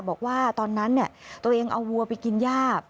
บอกว่าตอนนั้นตัวเองเอาวัวไปกินย่า